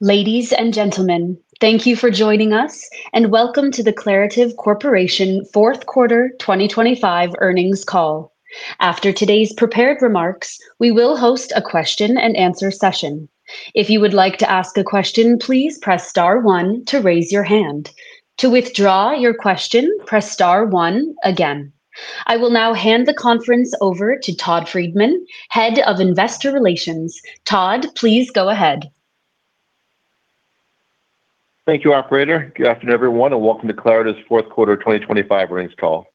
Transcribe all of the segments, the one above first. Ladies and gentlemen, thank you for joining us, and welcome to the Claritev Fourth Quarter 2025 earnings call. After today's prepared remarks, we will host a question and answer session. If you would like to ask a question, please press star one to raise your hand. To withdraw your question, press star one again. I will now hand the conference over to Todd Friedman, Head of Investor Relations. Todd, please go ahead. Thank you, operator. Good afternoon, everyone, welcome to Claritev's Fourth Quarter 2025 earnings call.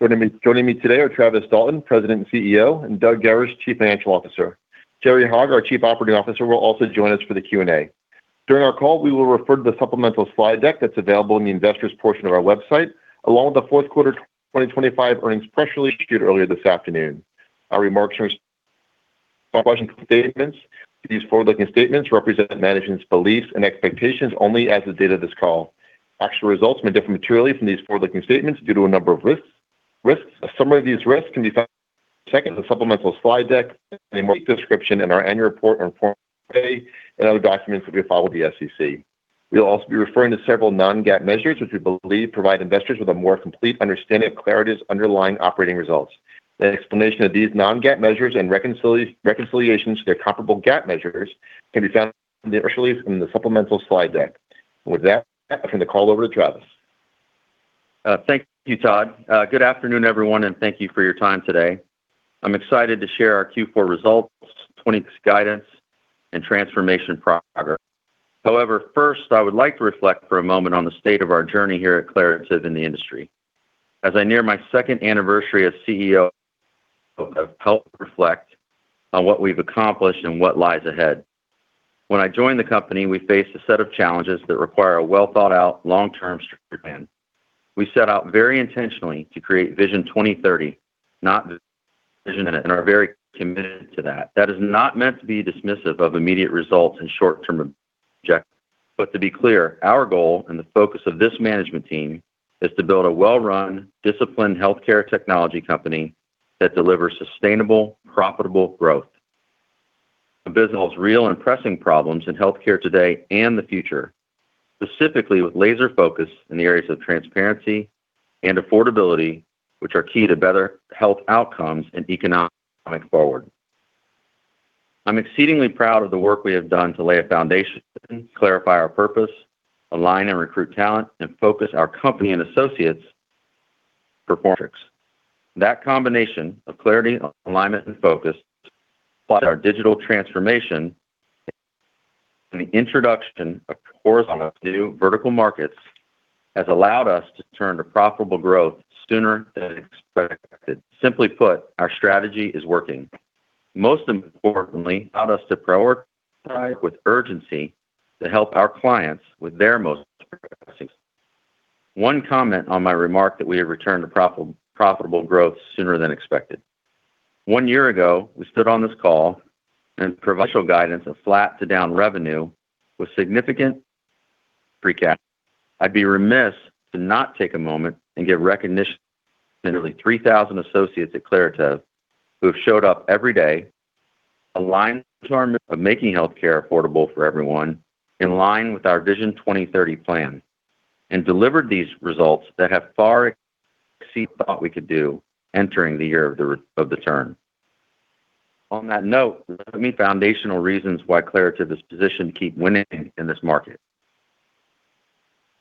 Joining me today are Travis Dalton, President and CEO, and Doug Garis, Chief Financial Officer. Jerry Hogge, our Chief Operating Officer, will also join us for the Q&A. During our call, we will refer to the supplemental slide deck that's available in the investor portion of our website, along with the Fourth Quarter 2025 earnings press release issued earlier this afternoon. Our remarks are statements. These forward-looking statements represent management's beliefs and expectations only as the date of this call. Actual results may differ materially from these forward-looking statements due to a number of risks. A summary of these risks can be found in the supplemental slide deck, and a more detailed description in our annual report, and other documents that we follow the SEC. We'll also be referring to several non-GAAP measures, which we believe provide investors with a more complete understanding of Claritev's underlying operating results. An explanation of these non-GAAP measures and reconciliations to their comparable GAAP measures can be found in the release in the supplemental slide deck. With that, I turn the call over to Travis. Thank you, Todd. Good afternoon, everyone, thank you for your time today. I'm excited to share our Q4 results, 2026 guidance, and transformation progress. First, I would like to reflect for a moment on the state of our journey here at Claritev in the industry. As I near my second anniversary as CEO, I've helped reflect on what we've accomplished and what lies ahead. When I joined the company, we faced a set of challenges that require a well-thought-out, long-term strategy plan. We set out very intentionally to create Vision 2030 and are very committed to that. That is not meant to be dismissive of immediate results and short-term objectives. To be clear, our goal and the focus of this management team is to build a well-run, disciplined healthcare technology company that delivers sustainable, profitable growth. The business real and pressing problems in healthcare today and the future, specifically with laser focus in the areas of transparency and affordability, which are key to better health outcomes and economic forward. I'm exceedingly proud of the work we have done to lay a foundation, clarify our purpose, align and recruit talent, and focus our company and associates for performance. That combination of Claritev, alignment, and focus by our digital transformation and the introduction of horizontal new vertical markets has allowed us to turn to profitable growth sooner than expected. Simply put, our strategy is working. Most importantly, allowed us to prioritize with urgency to help our clients with their most. One comment on my remark that we have returned to profitable growth sooner than expected. One year ago, we stood on this call and provincial guidance of flat to down revenue was significant free cash. I'd be remiss to not take a moment and give recognition to nearly 3,000 associates at Claritev who have showed up every day, aligned to our making healthcare affordable for everyone, in line with our Vision 2030 plan, and delivered these results that have far exceeded what we could do entering the year of the turn. On that note, let me foundational reasons why Claritev is positioned to keep winning in this market.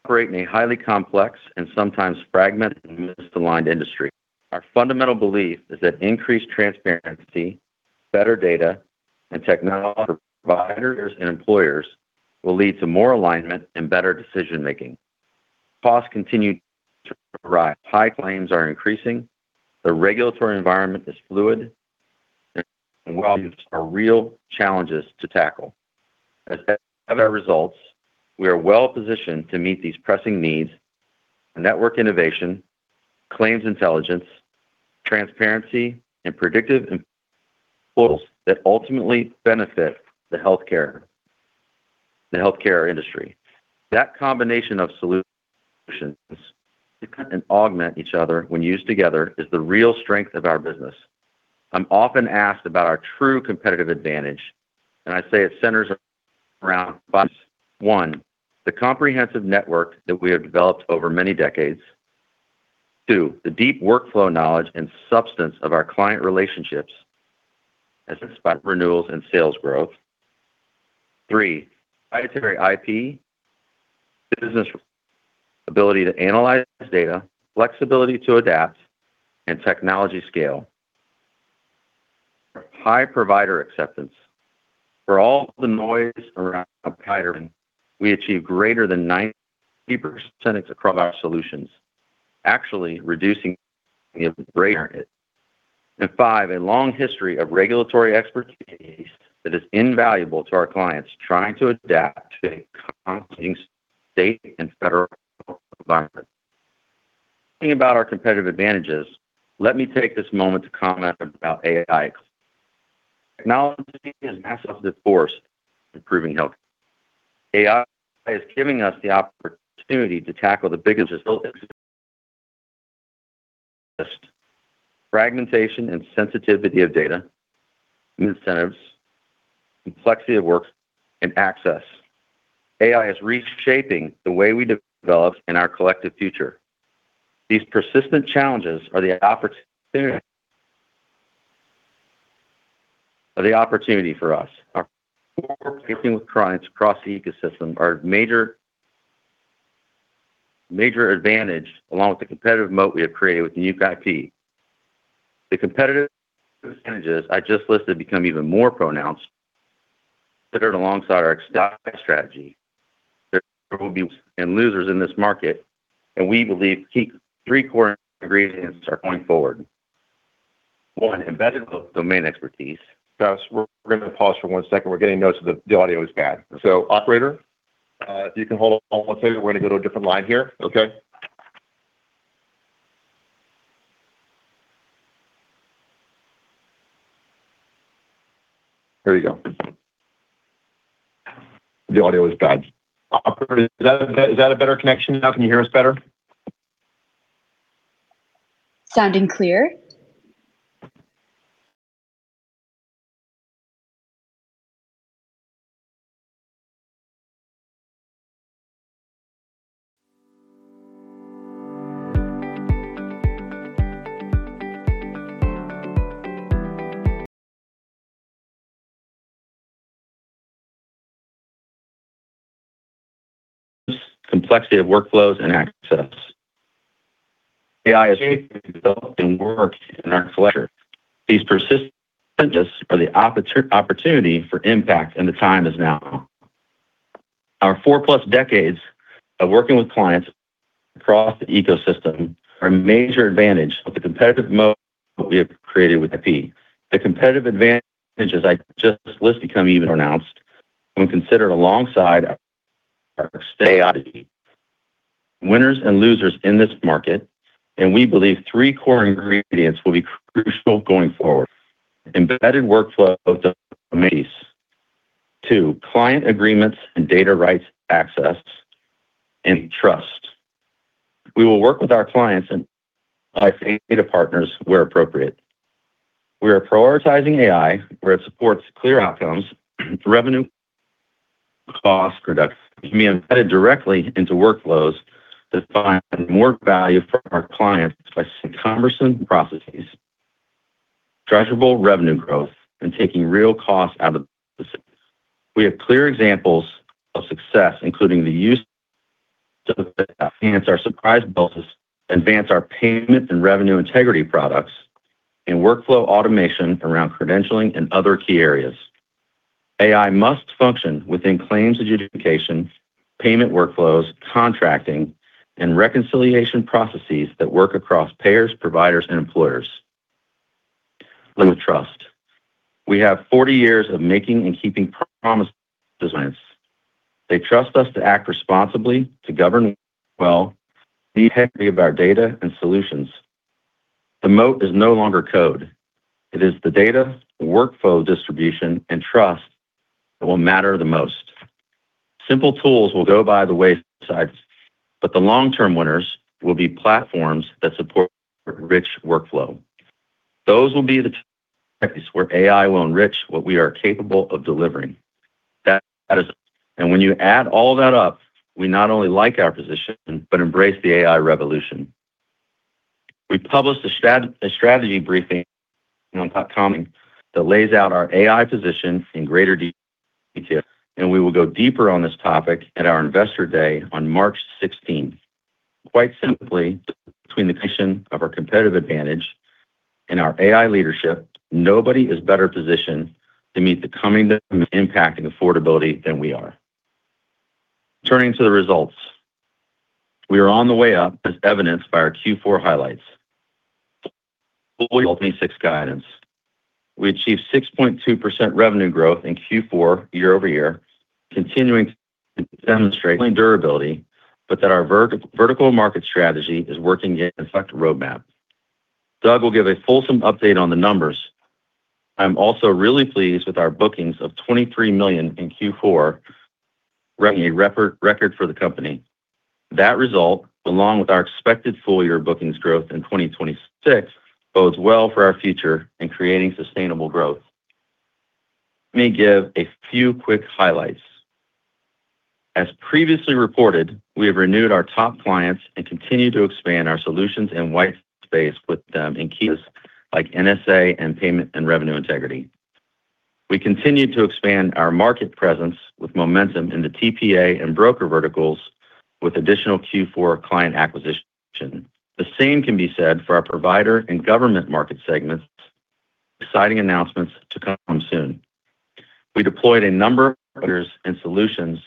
Operating a highly complex and sometimes fragmented, misaligned industry. Our fundamental belief is that increased transparency, better data and technology, providers and employers will lead to more alignment and better decision-making. Costs continue to rise. High claims are increasing, the regulatory environment is fluid, and are real challenges to tackle. As of our results, we are well positioned to meet these pressing needs, network innovation, claims intelligence, transparency, and predictive models that ultimately benefit the healthcare industry. That combination of solutions and augment each other when used together is the real strength of our business. I'm often asked about our true competitive advantage, and I say it centers around us. One, the comprehensive network that we have developed over many decades. Two, the deep workflow knowledge and substance of our client relationships has inspired renewals and sales growth. Three, proprietary IP, business ability to analyze data, flexibility to adapt, and technology scale. High provider acceptance. For all the noise around provider, we achieve greater than 90% across our solutions. Five, a long history of regulatory expertise that is invaluable to our clients trying to adapt to a constantly changing state and federal environment. About our competitive advantages, let me take this moment to comment about AI. Technology is a massive force improving health. AI is giving us the opportunity to tackle the biggest results, fragmentation and sensitivity of data, and incentives, complexity of work, and access. AI is reshaping the way we develop and our collective future. These persistent challenges are the opportunity, are the opportunity for us. Our working with clients across the ecosystem are major, major advantage, along with the competitive moat we have created with the new IP. The competitive advantages I just listed become even more pronounced, considered alongside our strategy. There will be winners and losers in this market. We believe key three core ingredients are going forward. One, embedded domain expertise. Guys, we're gonna pause for one second. We're getting notes that the audio is bad. Operator, if you can hold on one second, we're gonna go to a different line here, okay? There you go. The audio is bad. Operator, is that a better connection now? Can you hear us better? Sounding clear? Complexity of workflows and access. AI is developing work in our collector. These persistent are the opportunity for impact. The time is now. Our four-plus decades of working with clients across the ecosystem are a major advantage of the competitive moat we have created with IP. The competitive advantages I just listed become even pronounced when considered alongside our strategy. Winners and losers in this market. We believe three core ingredients will be crucial going forward: embedded workflow domains. Two, client agreements and data rights access, and trust. We will work with our clients and by data partners where appropriate. We are prioritizing AI where it supports clear outcomes, revenue, cost reduction, can be embedded directly into workflows that find more value for our clients by cumbersome processes, measurable revenue growth, and taking real costs out of the business. We have clear examples of success, including the use to advance our No Surprise Bills, advance our Payment and Revenue Integrity products, and workflow automation around credentialing and other key areas. AI must function within claims adjudication, payment workflows, contracting, and reconciliation processes that work across payers, providers, and employers. Limit trust. We have 40 years of making and keeping promise designs. They trust us to act responsibly, to govern well, the integrity of our data and solutions. The moat is no longer code. It is the data, workflow, distribution, and trust that will matter the most. Simple tools will go by the wayside. The long-term winners will be platforms that support rich workflow. Those will be the places where AI will enrich what we are capable of delivering. That is, when you add all that up, we not only like our position, but embrace the AI revolution. We published a strategy briefing on dot-com that lays out our AI position in greater detail, and we will go deeper on this topic at our Investor Day on March 16. Quite simply, between the creation of our competitive advantage and our AI leadership, nobody is better positioned to meet the coming demand, impact, and affordability than we are. Turning to the results, we are on the way up, as evidenced by our Q4 highlights. Full year 2026 guidance. We achieved 6.2% revenue growth in Q4 year-over-year, continuing to demonstrate durability, but that our vertical market strategy is working in effect roadmap. Doug will give a fulsome update on the numbers. I'm also really pleased with our bookings of $23 million in Q4, running a record, record for the company. That result, along with our expected full year bookings growth in 2026, bodes well for our future in creating sustainable growth. Let me give a few quick highlights. As previously reported, we have renewed our top clients and continue to expand our solutions and white space with them in areas like NSA and Payment and Revenue Integrity. We continued to expand our market presence with momentum in the TPA and broker verticals with additional Q4 client acquisition. The same can be said for our provider and government market segments. Exciting announcements to come soon. We deployed a number of partners and solutions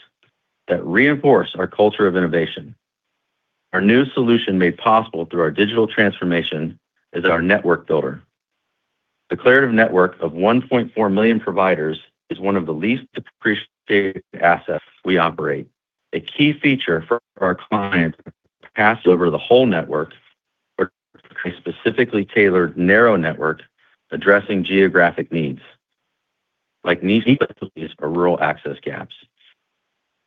that reinforce our culture of innovation. Our new solution, made possible through our digital transformation, is our Network Builder. Claritev Network of 1.4 million providers is one of the least appreciated assets we operate. A key feature for our clients pass over the whole network, or a specifically tailored narrow network addressing geographic needs, like niche facilities or rural access gaps.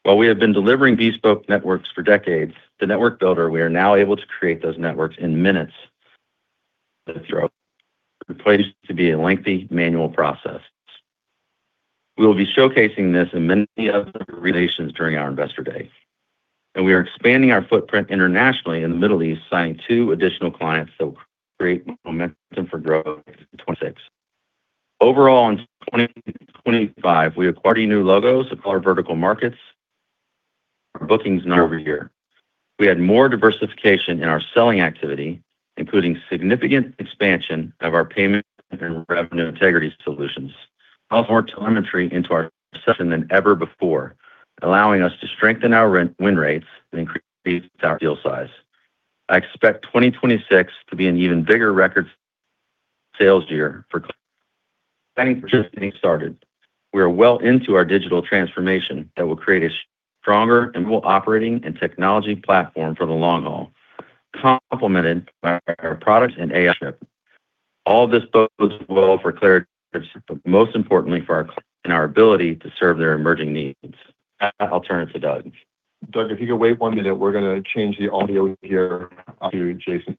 While we have been delivering bespoke networks for decades, the Network Builder, we are now able to create those networks in minutes throughout, replaced to be a lengthy manual process. We will be showcasing this and many other relations during our Investor Day. We are expanding our footprint internationally in the Middle East, signing two additional clients that will create momentum for growth in 2026. Overall, in 2025, we acquired new logos across our vertical markets. Our bookings in over year. We had more diversification in our selling activity, including significant expansion of our Payment and Revenue Integrity solutions. More telemetry into our session than ever before, allowing us to strengthen our win rates and increase our deal size. I expect 2026 to be an even bigger record sales year for planning, just getting started. We are well into our digital transformation that will create a stronger and more operating and technology platform for the long haul, complemented by our products and AI. All this bodes well for Claritev, but most importantly, for our and our ability to serve their emerging needs. I'll turn it to Doug. Doug, if you could wait one minute, we're going to change the audio here to Jason.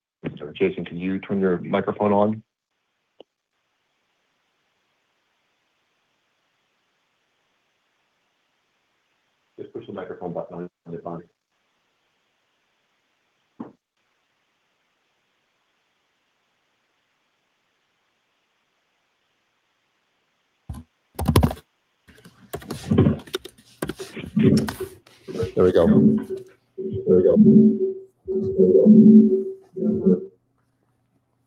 Jason, can you turn your microphone on? Just push the microphone button on the phone. There we go. There we go.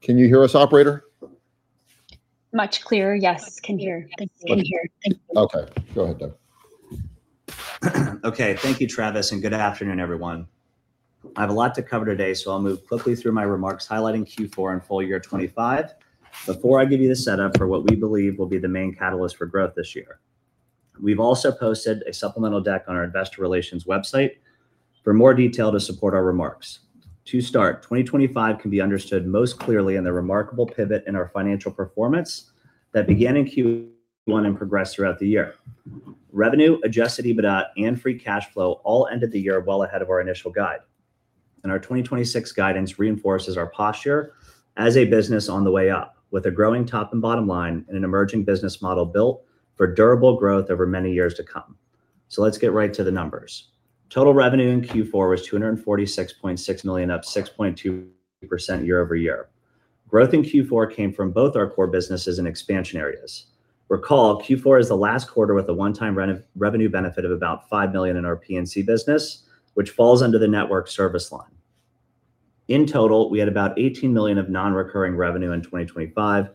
Can you hear us, operator? Much clearer. Yes, can hear. I can hear. Thank you. Okay, go ahead, Doug. Okay. Thank you, Travis. Good afternoon, everyone. I have a lot to cover today, so I'll move quickly through my remarks, highlighting Q4 and full year 2025. Before I give you the setup for what we believe will be the main catalyst for growth this year, we've also posted a supplemental deck on our investor relations website for more detail to support our remarks. To start, 2025 can be understood most clearly in the remarkable pivot in our financial performance that began in Q1 and progressed throughout the year. Revenue, adjusted EBITDA, and free cash flow all ended the year well ahead of our initial guide. Our 2026 guidance reinforces our posture as a business on the way up, with a growing top and bottom line and an emerging business model built for durable growth over many years to come. Let's get right to the numbers. Total revenue in Q4 was $246.6 million, up 6.2% year-over-year. Growth in Q4 came from both our core businesses and expansion areas. Recall, Q4 is the last quarter with a one-time revenue benefit of about $5 million in our P&C business, which falls under the network service line. In total, we had about $18 million of non-recurring revenue in 2025,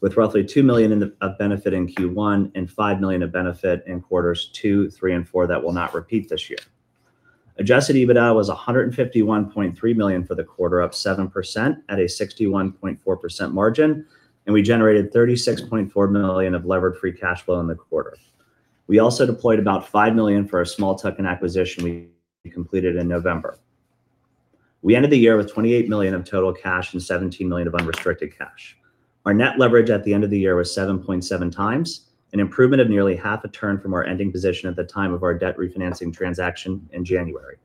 with roughly $2 million of benefit in Q1 and $5 million of benefit in Q2, Q3, and Q4 that will not repeat this year. Adjusted EBITDA was $151.3 million for the quarter, up 7% at a 61.4% margin, and we generated $36.4 million of levered free cash flow in the quarter. We also deployed about $5 million for a small tuck-in acquisition we completed in November. We ended the year with $28 million of total cash and $17 million of unrestricted cash. Our net leverage at the end of the year was 7.7x, an improvement of nearly 0.5 turn from our ending position at the time of our debt refinancing transaction in January.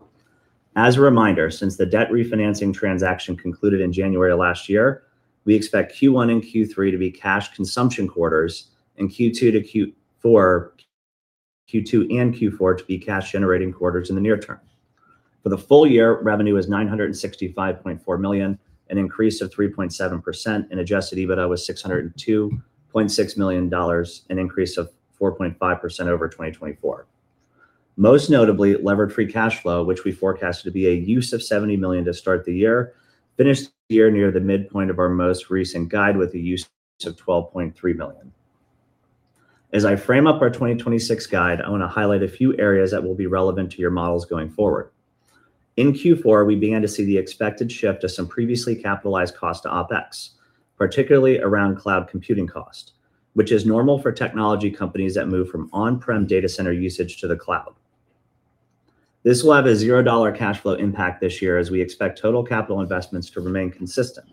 As a reminder, since the debt refinancing transaction concluded in January of last year, we expect Q1 and Q3 to be cash consumption quarters, and Q2 and Q4 to be cash-generating quarters in the near term. For the full year, revenue was $965.4 million, an increase of 3.7%, and Adjusted EBITDA was $602.6 million, an increase of 4.5% over 2024. Most notably, levered free cash flow, which we forecasted it to be a use of $70 million to start the year, finished the year near the midpoint of our most recent guide with the use of $12.3 million. As I frame up our 2026 guide, I want to highlight a few areas that will be relevant to your models going forward. In Q4, we began to see the expected shift of some previously capitalized costs to OpEx, particularly around cloud computing cost, which is normal for technology companies that move from on-prem data center usage to the cloud. This will have a $0 cash flow impact this year, as we expect total capital investments to remain consistent.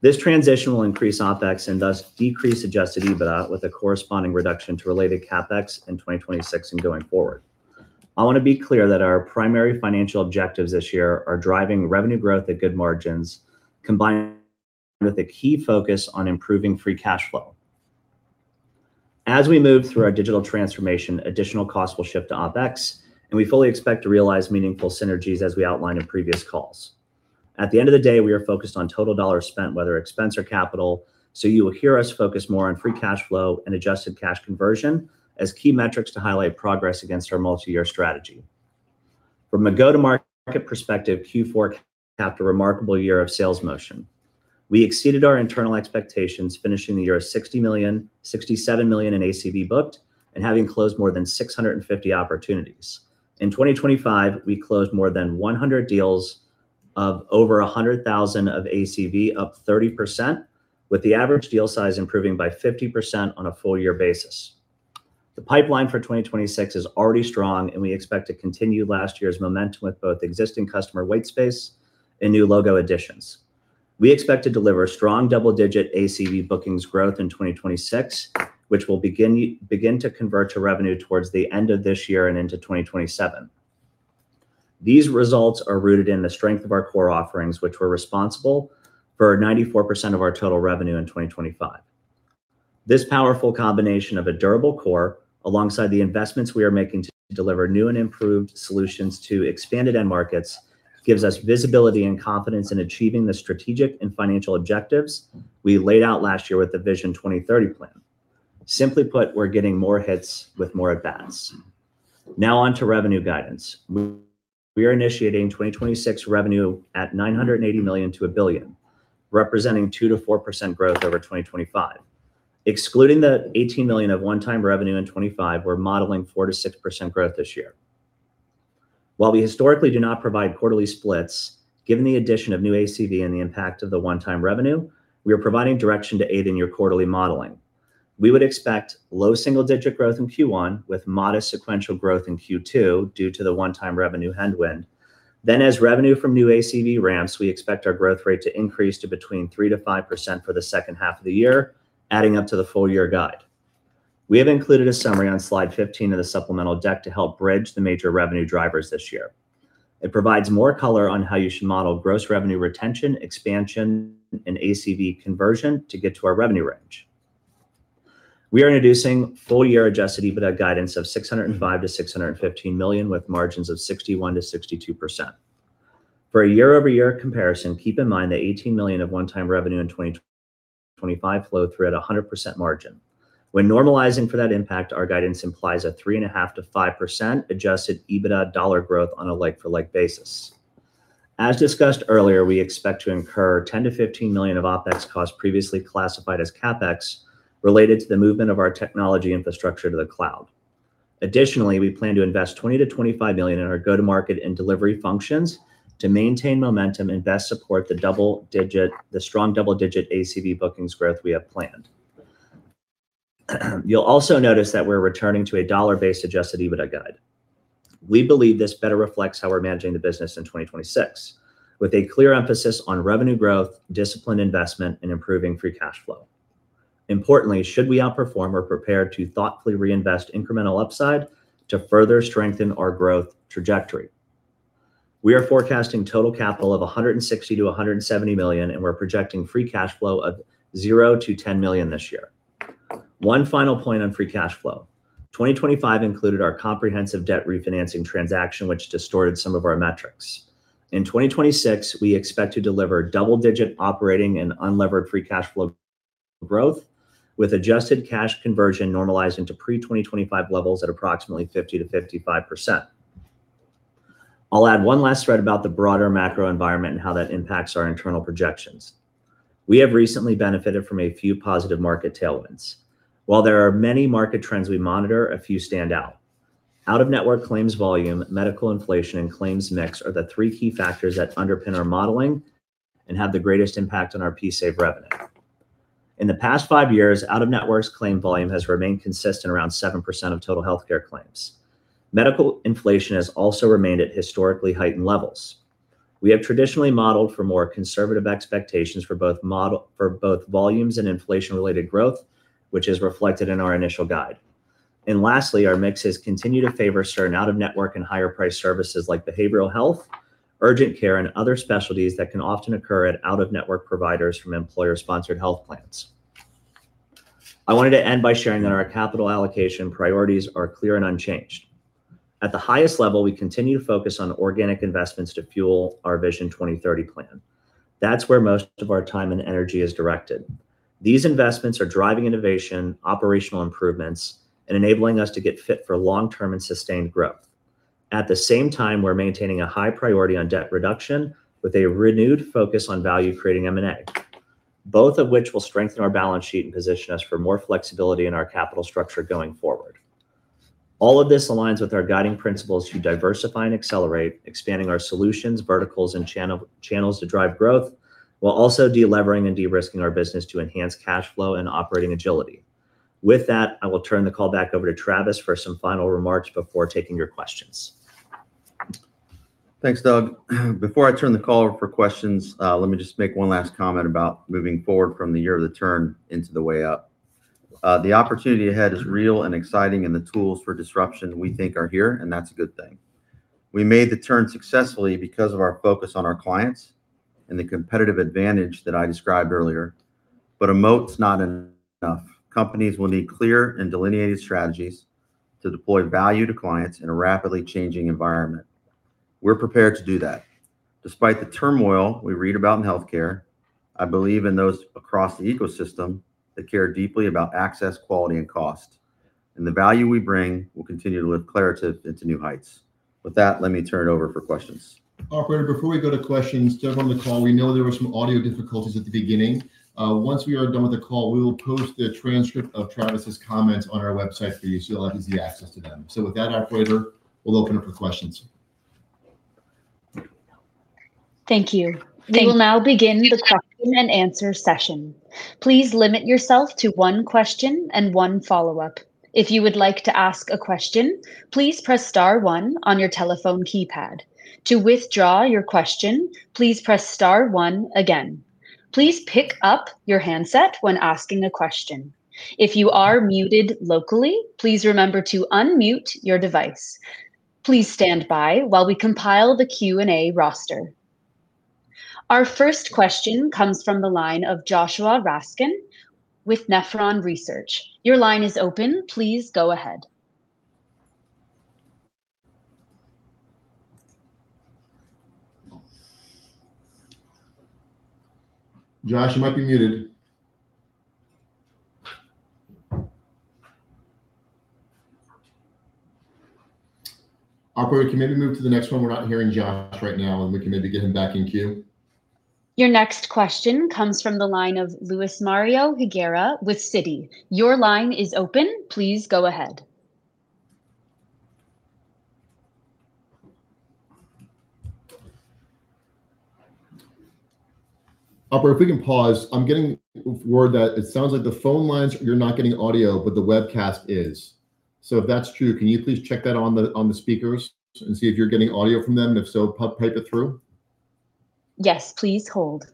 This transition will increase OpEx and thus decrease Adjusted EBITDA, with a corresponding reduction to related CapEx in 2026 and going forward. I want to be clear that our primary financial objectives this year are driving revenue growth at good margins, combined with a key focus on improving free cash flow. As we move through our digital transformation, additional costs will shift to OpEx, and we fully expect to realize meaningful synergies as we outlined in previous calls. At the end of the day, we are focused on total dollars spent, whether expense or capital. You will hear us focus more on free cash flow and adjusted cash conversion as key metrics to highlight progress against our multi-year strategy. From a go-to-market perspective, Q4 capped a remarkable year of sales motion. We exceeded our internal expectations, finishing the year at $67 million in ACV booked and having closed more than 650 opportunities. In 2025, we closed more than 100 deals of over $100,000 of ACV, up 30%, with the average deal size improving by 50% on a full year basis. The pipeline for 2026 is already strong, we expect to continue last year's momentum with both existing customer white space and new logo additions. We expect to deliver strong double-digit ACV bookings growth in 2026, which will begin to convert to revenue towards the end of this year and into 2027. These results are rooted in the strength of our core offerings, which were responsible for 94% of our total revenue in 2025. This powerful combination of a durable core, alongside the investments we are making to deliver new and improved solutions to expanded end markets, gives us visibility and confidence in achieving the strategic and financial objectives we laid out last year with the Vision 2030 plan. Simply put, we're getting more hits with more at bats. Now on to revenue guidance. We are initiating 2026 revenue at $980 million-$1 billion, representing 2%-4% growth over 2025. Excluding the $18 million of one-time revenue in 2025, we're modeling 4%-6% growth this year. While we historically do not provide quarterly splits, given the addition of new ACV and the impact of the one-time revenue, we are providing direction to aid in your quarterly modeling. We would expect low single-digit growth in Q1, with modest sequential growth in Q2 due to the one-time revenue headwind. As revenue from new ACV ramps, we expect our growth rate to increase to between 3%-5% for the second half of the year, adding up to the full year guide. We have included a summary on slide 15 of the supplemental deck to help bridge the major revenue drivers this year. It provides more color on how you should model Gross Revenue Retention, expansion, and ACV conversion to get to our revenue range. We are introducing full-year Adjusted EBITDA guidance of $605 million-$615 million, with margins of 61%-62%. For a year-over-year comparison, keep in mind that $18 million of one-time revenue in 2025 flowed through at a 100% margin. When normalizing for that impact, our guidance implies a 3.5%-5% Adjusted EBITDA dollar growth on a like-for-like basis. As discussed earlier, we expect to incur $10 million-$15 million of OpEx costs previously classified as CapEx, related to the movement of our technology infrastructure to the cloud. Additionally, we plan to invest $20 million-$25 million in our go-to-market and delivery functions to maintain momentum and best support the strong double-digit ACV bookings growth we have planned. You'll also notice that we're returning to a dollar-based Adjusted EBITDA guide. We believe this better reflects how we're managing the business in 2026, with a clear emphasis on revenue growth, disciplined investment, and improving free cash flow. Importantly, should we outperform, we're prepared to thoughtfully reinvest incremental upside to further strengthen our growth trajectory. We are forecasting total capital of $160 million-$170 million, and we're projecting free cash flow of $0-$10 million this year. One final point on free cash flow: 2025 included our comprehensive debt refinancing transaction, which distorted some of our metrics. In 2026, we expect to deliver double-digit operating and unlevered free cash flow growth, with adjusted cash conversion normalized into pre-2025 levels at approximately 50%-55%. I'll add one last thread about the broader macro environment and how that impacts our internal projections. We have recently benefited from a few positive market tailwinds. While there are many market trends we monitor, a few stand out. Out-of-network claims volume, medical inflation, and claims mix are the three key factors that underpin our modeling and have the greatest impact on our PAVE revenue. In the past five years, out-of-network claim volume has remained consistent, around 7% of total healthcare claims. Medical inflation has also remained at historically heightened levels. We have traditionally modeled for more conservative expectations for both volumes and inflation-related growth, which is reflected in our initial guide. Lastly, our mix has continued to favor certain out-of-network and higher-priced services like behavioral health, urgent care, and other specialties that can often occur at out-of-network providers from employer-sponsored health plans. I wanted to end by sharing that our capital allocation priorities are clear and unchanged. At the highest level, we continue to focus on organic investments to fuel our Vision 2030 plan. That's where most of our time and energy is directed. These investments are driving innovation, operational improvements, and enabling us to get fit for long-term and sustained growth. At the same time, we're maintaining a high priority on debt reduction with a renewed focus on value-creating M&A, both of which will strengthen our balance sheet and position us for more flexibility in our capital structure going forward. All of this aligns with our guiding principles to diversify and accelerate, expanding our solutions, verticals, and channels to drive growth, while also deleveraging and de-risking our business to enhance cash flow and operating agility. With that, I will turn the call back over to Travis for some final remarks before taking your questions. Thanks, Doug. Before I turn the call over for questions, let me just make one last comment about moving forward from the year of the turn into the way up. The opportunity ahead is real and exciting. The tools for disruption, we think, are here, and that's a good thing. We made the turn successfully because of our focus on our clients and the competitive advantage that I described earlier. A moat's not enough. Companies will need clear and delineated strategies to deploy value to clients in a rapidly changing environment. We're prepared to do that. Despite the turmoil we read about in healthcare, I believe in those across the ecosystem that care deeply about access, quality, and cost. The value we bring will continue to lift Claritev into new heights. With that, let me turn it over for questions. Operator, before we go to questions, to everyone on the call, we know there were some audio difficulties at the beginning. Once we are done with the call, we will post the transcript of Travis's comments on our website for you, so you'll have easy access to them. With that, operator, we'll open up for questions. Thank you. We will now begin the question and answer session. Please limit yourself to one question and one follow-up. If you would like to ask a question, please press star one on your telephone keypad. To withdraw your question, please press star one again. Please pick up your handset when asking a question. If you are muted locally, please remember to unmute your device. Please stand by while we compile the Q&A roster. Our first question comes from the line of Joshua Raskin with Nephron Research. Your line is open. Please go ahead. Josh, you might be muted. Operator, can you maybe move to the next one? We're not hearing Josh right now, and we can maybe get him back in queue. Your next question comes from the line of Luismario Higuera with Citi. Your line is open. Please go ahead. Operator, if we can pause, I'm getting word that it sounds like the phone lines, you're not getting audio, but the webcast is. If that's true, can you please check that on the, on the speakers and see if you're getting audio from them? If so, pipe it through. Yes, please hold.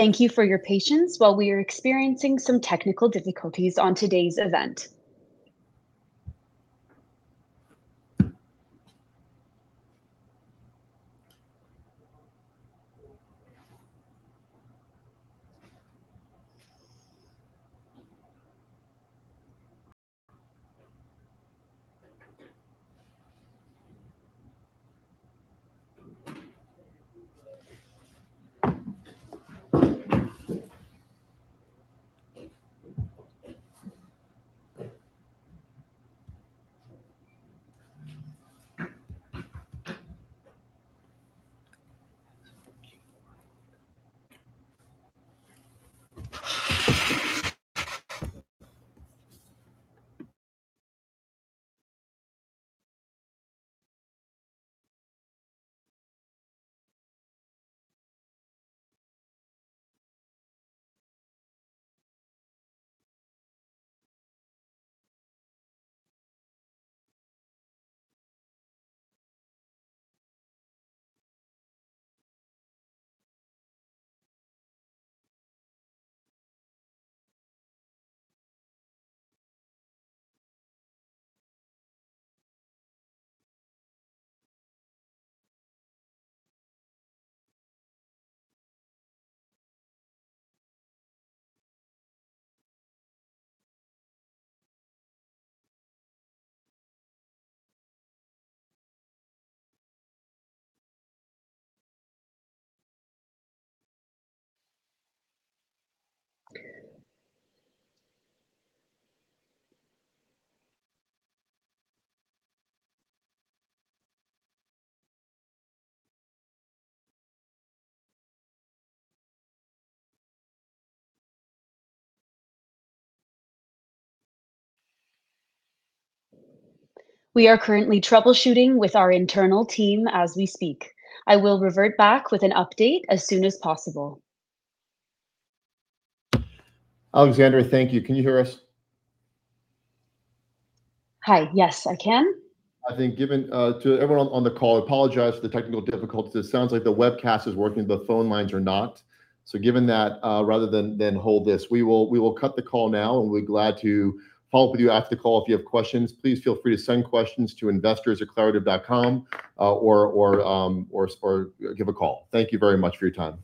Thank you for your patience while we are experiencing some technical difficulties on today's event. We are currently troubleshooting with our internal team as we speak. I will revert back with an update as soon as possible. Alexandra, thank you. Can you hear us? Hi. Yes, I can. I think given, to everyone on, on the call, I apologize for the technical difficulties. It sounds like the webcast is working, the phone lines are not. Given that, rather than, than hold this, we will, we will cut the call now, and we'll be glad to follow up with you after the call. If you have questions, please feel free to send questions to investor@claritev.com, or give a call. Thank you very much for your time.